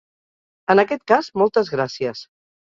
En aquest cas, moltes gràcies!